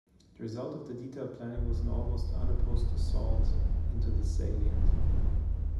The result of the detailed planning was an almost unopposed assault into the salient.